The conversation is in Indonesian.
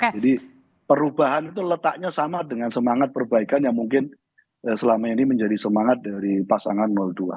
jadi perubahan itu letaknya sama dengan semangat perbaikan yang mungkin selama ini menjadi semangat dari pasangan dua